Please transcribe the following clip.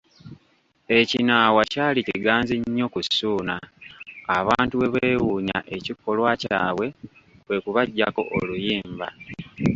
Ekinaawa kyali kiganzi nnyo ku Ssuuna, abantu bwe beewuunya ekikolwa kyabwe, kwe kubaggyako oluyimba.